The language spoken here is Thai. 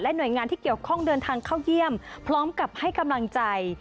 หน่วยงานที่เกี่ยวข้องเดินทางเข้าเยี่ยมพร้อมกับให้กำลังใจ